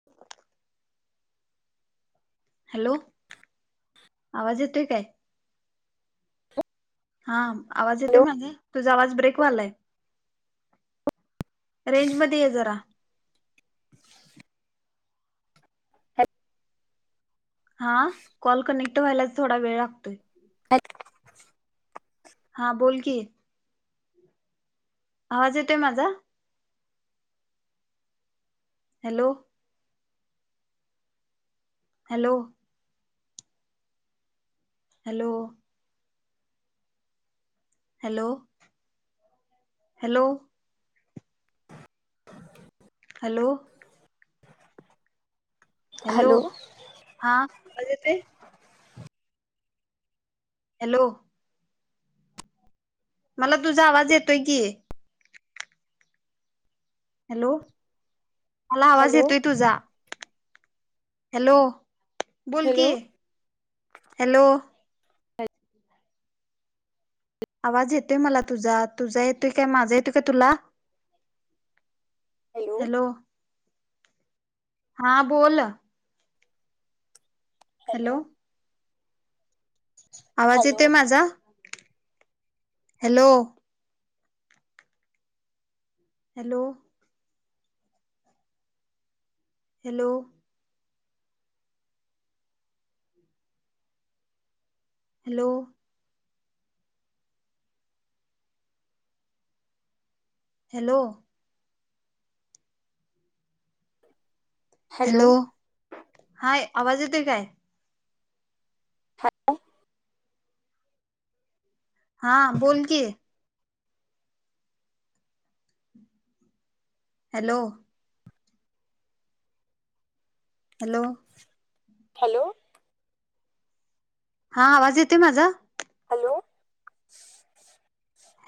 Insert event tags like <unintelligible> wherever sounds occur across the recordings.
<inaudible> Hello आवाज येतोेय काय हा आवाज येते हॅलो माझे तुझा आवाज ब्रेकवालाय रेंज मध्ये आहे जरा हा कॉल कनेक्ट व्हायलाच थोडा वेळ लागतोय अच <unintelligible> हा बोल की आवाज येतोय माझा hello hello hello hello hello hello hello हा येत हॅलो मला तुझा आवाज येतोय की हॅलो मला आवाज हॅलो येतोय तुझा हॅलो बोल की हॅलो हॅलो आवाज येतोय मला तुझा तुझा येतोय काय माझा येतोय काय तुला हॅलो हा बोल हॅलो आवाज हॅलो येतेय माझा hello hello hello hello hello hello hi आवाज येतेय काय हॅल हा बोल की हॅलो हॅलो हॅलो हा आवाज येते माझा hello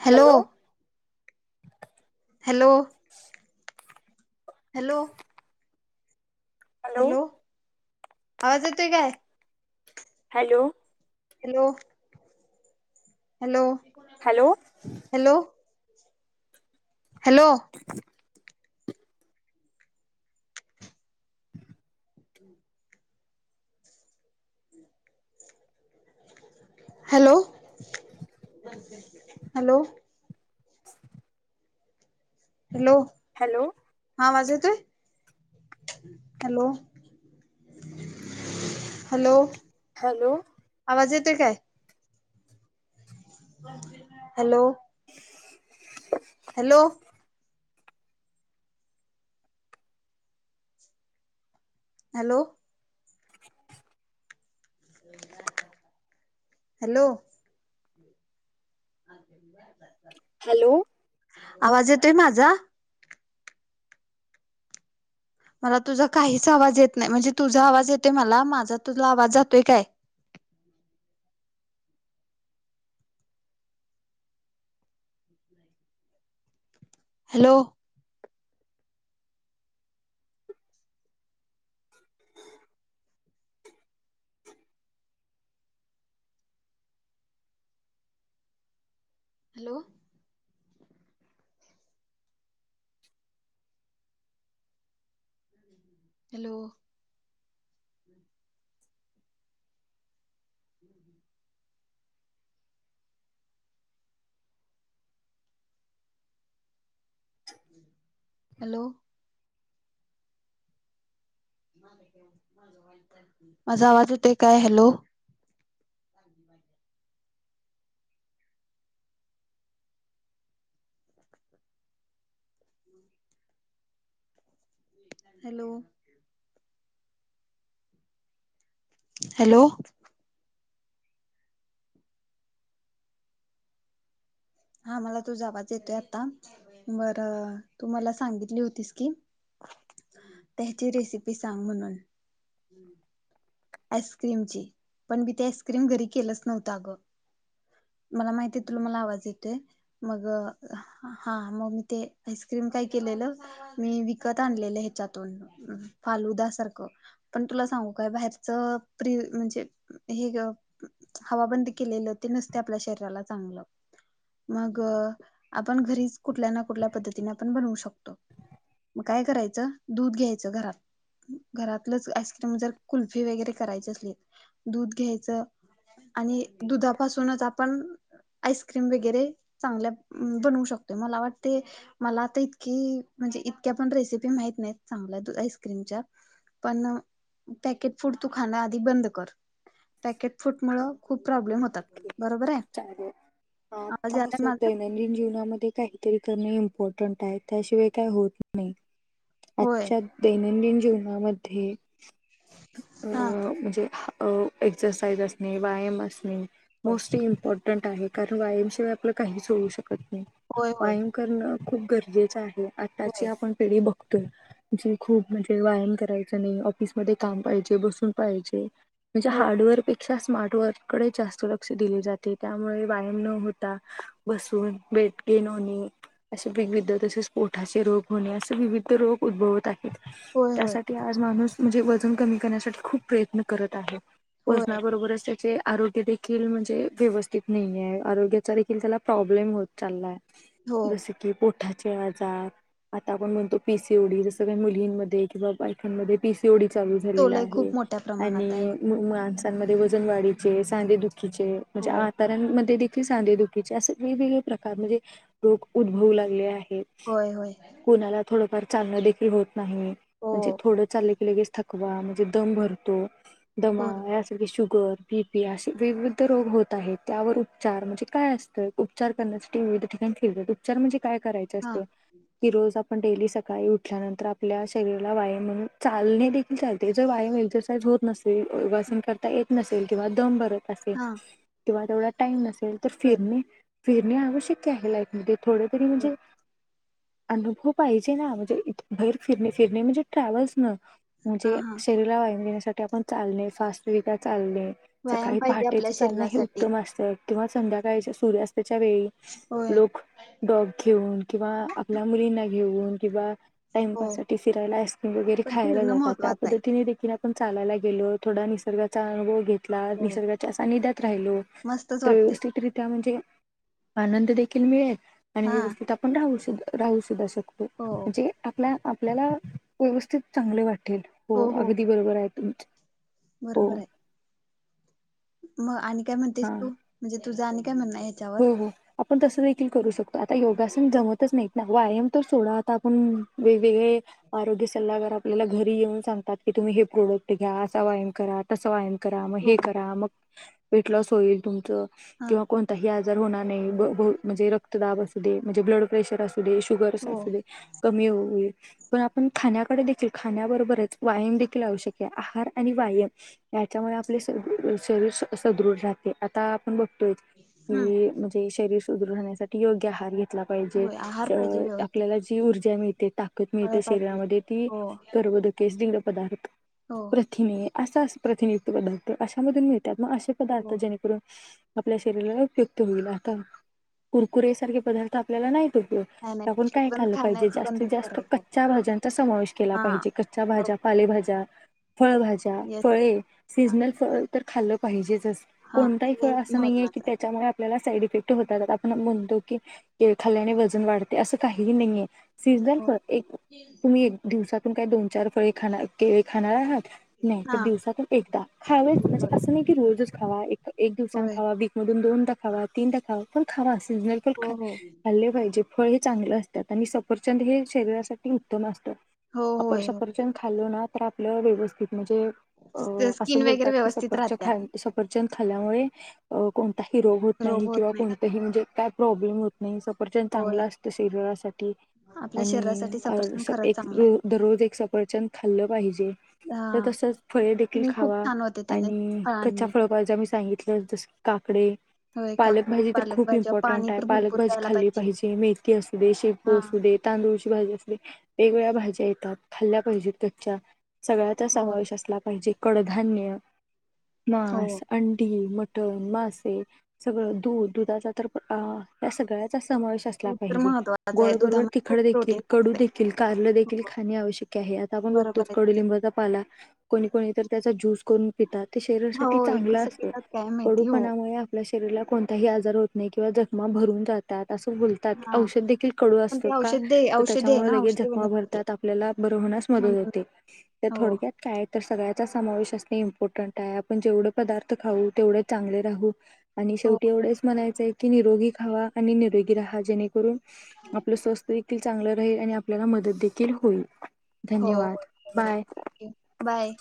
hello hello hello hello आवाज येतोय काय hello hello hello hello hello hello <inaudible> hello hello <inaudible> hello hello हा वाज येतोय हॅलो हॅलो हॅलो आवाज येते काय हॅलो <inaudible> हॅलो हॅलो हॅलो अ हॅलो आवाज येतोय माझा मला तुझा काहीच आवाज येत नाही म्हणजे तुझा आवाज येतोय मला माझा तुझा आवाज जातोय काय हॅलो हॅलो हॅलो <inaudible> हॅलो माझा आवाज येत काय हॅलो हॅलो हॅलो हा मला तू जावाच येतोय आता बरं तू मला सांगितली होतीस की त्याची रेसिपी सांग म्हणून हम्म आईस्क्रीमची पण मी ते आईस्क्रीम घरी केलंच नव्हतं अगं मला माहिती आहे तुला मला आवाज येतोय मग हा मग मी ते आईस्क्रीम काय केलेलं मी विकत आणलेले ह्याच्यातून फालुद सारखं पण तुला सांगू काय बाहेर च प्रि म्हणजे हे हवा बंद केलेली होते नसते आपल्या शरीराला चांगलं मग आपण घरीच कुठल्या ना कुठल्या पद्धतीने आपण बनवू शकतो मग काय करायचं दूध घ्यायचं घरात घरातलंच आईस्क्रीम जर कुल फी वगैरे करायचे असले दूध घ्यायचं आणि दुधापासूनच आपण आईस्क्रीम वगैरे चांगल्या बनवू शकतोय मला वाटते मला आता इतकी म्हणजे इतक्या पण रेसिपी माहीत नाही चांगल्या दू आईस्क्रीमच्या. पण पॅकेट फूड तू खाणं आधी बंद कर, पॅकेट फूड मुळं खूप प्रॉब्लम होतात. बरोबर आहे, चालेल आवाज आता आलाय कसं माझा? दैनंदिन जीवनामध्ये काहीतरी करणे इम्पॉर्टंट आहे त्याशिवाय काही होत नाही. होय आजच्या दैनंदिन जीवनामध्ये हा अं म्हणजे एक्सरसाईज असणे, व्यायाम असणे होय मोस्टली इम्पॉ टन्ट आहे कारण व्यायामशिवाय आपलं काहीच होऊ शकत नाही होय होय व्यायाम करणं खूप गरजेचं आहे आताची होय आपण पिढी बघतोय जी खूप म्हणजे व्यायाम करायचा नाही ऑफिसमध्ये काम पाहिजे बसून पाहिजे. म्हणजे हो हार्डवर्कपेक्षा स्मार्टवर्ककडे जास्त ल क्ष दिले जाते त्यामुळे व्यायाम न होता बसून वेट गेन होने असे विविध तसेच पोठाचे रोग होणे असे विविध रोग उद्भवत आहे. होय होय त्यासाठी आज माणूस म्हणजे वजन कमी करण्यासाठी खूप प्रयत्न करत आहे. होय वजनाबरोबरच त्याचे आरोग्य दे खील म्हणजे व्यवस्थित नाहीे आहे आरोग्याचा देखील त्याला प्रॉब्लेम होत चाललाय हो जसे कि पोठाचे आजार आता आपण म्हणतो पि सी ओ डी जसं काही मुलींमध्ये कि बाई फनमध्ये पीसीओडी चालू तो झालेला लय आहे खूप मोठ्या आणि प्रमाणात आहे होय माणसांमध्ये वजन वाढीचे, सांधे दुखीचे म्हणजे हो आत तऱ्यांमध्ये देखील सांधेदुखीचे असे वेगवेगळे प्रकार म्हणजे रोग उद्भवू लागले आहेत. होय होय. कोणाला थोडंफार चाका देखील होत नाही हो म्हणजे थोडं चालले लगेच थकवा म्हणजे दम भरतो, दमा होय यास शुगर बीपी अशे वेग-वेग त रोग होत आहेत त्यावर उपचार म्हणजे काय असतं उपचार करण्यासाठी विविध ठिकाणी फिरत उपचार म्हणजे काय कराय चा हा असतं की आपण डेली सकाळी उठल्यानंतर आपल्या शरीरालाया व्यायाम म्हणून चालणे दे चालते जर व्यायाम एक्सरसाईज होत नसे <unintelligible> हा वासिंम करता येत नसेल किंवा दम भरत असेल हा किंवा तेवढा टाइम नसेल तर बर फिरणे फिरणे आवश्यक आहे लाईफमध्येध थोडं तरी बर म्हणजे अनुभव पाहिजे ना म्हणजे इत बाहेर फिरणे फिरणे म्हणजे ट्रॅव्हल्स न हा म्हणजे हा शरीराला व्यायाम देेण्यासाठी आपण चालणे फास्टविगा चालणे व्यायाम पाहिजे आ हेच चालणे हे उत्तम असतं किंवा संध्याकाळच्या सूर्यास्तच्या वेळी होय लोक डॉग घेऊन किंवा आपल्या मुलींना घेऊन किंवा हो टाइमपाससाठी फिरायला आइस्क्रीम वगैरे पण खायला फिरणं जात त्या महत्त्वाचं आहे पद्धतीने देखील पण चालायला गेलो थोडा निसर्गाचा अनुभव घेतला होय निसर्गा सानिध्यात राहिलो मस्तच तर वाटते व्यवस्थितरित्या म्हणजे आनंद देखील मिळेल आणि हा व्यवस्थित आपण राहू सु राहू सुद्धा शकतो हो म्हणजे आपल्या आपल्याला व्यवस्थित चांगले वाटेल हो अगदी बरोबर आहे तुमचे. बरोबर आहे. मग आणि काय म्हणतेस हा तू म्हणजे तुझं आणि काय म्हण ह्याच्या हो हो आपण तसं देखील करू शकतो आता योगासन जमतच नाहीत ना व्यायाम तर सोडा आता आपण वेग वेगळे आरोग्य सल्लागार आपल्याला घरी येऊन सांगतात की तुम्ही हे प्रोडक्ट घ्या असा व्यायाम करा तसं व्यायाम करा मग हो हे करा मग वेट लॉस होईल तुमचं हा किंवा कोण आजार होणार नाय ब बउ म्हणजे रक्तदाब अशू दे, शुगर हो अशू दे कमी होऊ ये पण आपण खाण्याकडे देखील खाण्याबरोबरच व्यायाम देखील आवश्यक आहे आहार आणि व्यायाम याच्यामुळे आपले शरीर सदृढ राहते आता आपण बघतोय हम्म की म्हणजे शरीर सुदृ राहण्यासाठी योग्य आहार घेतला पाहिजे होय आहार पाहिजे व्यवस्थित आपल्याला जा मिळते ताकद फळ मिळते पाहिजे शरीरामध्ये हो तीर्बधके पदार्थ हो प्रि असा प्रतिनियुक्त पदार्थ अशा मधून मिळतात मग असे पदार्थ हो जेणेकरून आपल्या शरीराला उपयुक्त होईल आता कुरकुरसारखे पदार्थ आपल्याला नाहीत उपयोगत नाही नाही त्यागून पॅकेट बंद कायलं पाहिजे खाण्याच जास्तीत बंदच जास्त करायचं आपण. कच्च्या भाज्यांचा समावेश केला हा पाहिजे भाज्या बरोबर पालेभाज्या फळभाज्या येस फळे सीजनल फळ तर खालं पाहिजेचच हा कोणताही हे फळ एक असं नाहीे की महत्त्वाचं आहे त्या आपल्याला साईड इफेक्ट होतात आपण म्हणतो क के खाल्ल्याने वजन वाढते असं काहीही नाहीये सीझनल हो फळ एक तुम्ही एक दिवसातून काही दोन चार फळे खा के खाणार आहात नाही तर हा दिवसातून एकदा खावेत होय म्हणजे होय असं नाही की रोज रच खावा एक दिवसाने होय खावा वी मधून दोनदाा खावा तीन दा खावा पण खावा सीजनल पण ख हो हो खाल्ले पाहिजे फळ हे चांगलं असतात आणि सफरचंद हे शरीरासाठी उत्तम असतात हो अपर होय हो सफरचंद खाल्लो ना तर आपलं व्यवस्थित म्हणजे स्किन असं वगैरे बोलतात की व्यवस्थित सपरच्या राहत्या खा सपर्चन खाल्यामुळे हिरोग होत नाही किंवा कोणतंही म्हणजे काय प्रॉब्लेम होत नाही सपर्ज होय चांगलं असतं सिरयरासाठी आपल्या आणि शरीरासाठी अ सफरचंद खरंच एक चांगला दररोज एक सपरचंद खाल्लं पाहिजे आहे तर हा तसच फळे देखील स्किन खूप खावा छान होते त्याने आणि कच्चा फळांनी फळ जा मी सांगितलं जस काकडे होय काकडी पालकभाजी तर पालक खूप भाज्या पाणी इम्पॉर्टंट आहे तर भरपूर पालकभाजी प्यायला खाल्ली पाहिजे मेथी असू दे शेपू हा असू दे तांदूळची भाजी असली वेगवेगळ्या भाज्या येतात खाल्ल्या पाहिजेत कच्च्या सगळ्याचा हो समावेश असला पाहिजे कडधान्य मांस हो अंडी मासे सगळ दूध दुधाचा तर या सगळ्याचा समावे असला दूध तर पाहिजे महत्त्वाचं गोड आहे बरोबर दुधामध्ये तिखट खूप देखील प्रोटीन कडू असते देखील कारलं देखील हो खाणे आवश्यक आहे आता आपण बघत बरोबर तच आहे तुझं कडुलिंबाचा पाला कोणी कोणी तर त्याचा ज्यूस करून पिता ते शरीरासाठी होय चांगला कसं असत पितात काय माहिती हो कडूपणामुळे आपल्या शरीराला कोणताही आजार होत नाही किंवा जखमा भरून जातात असं बोलत त्यात हा औषध देखील कडू पण असतो ते का औषध दे तर औषधी आहे त्याच्यामुळे ना लगेच औषधी जखमा वनस्पती भरतात आपल्याला बर होण्यास मदत म्हणून होते त्या हो थोडक्यात काय तर सगळ्याचा समावेश असणे इम्पॉर्टंट आहे आपण जेवढे पदार्थ खाऊ तेवढं चांगले राहू आणि हो शेवटी एवढेच म्हणायचंय की निरोगी खावा आणि निरोगी राहा जेणेकरून आपलं स्वस्थ देखील चांगलं राहील आणि आपल्याला मदत देखील होईल हो धन्यवाद. बरोबर बाय. आहे बाय